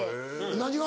何が？